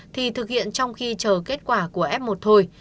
thì thực hiện trong khi chờ kết quả của f một thôi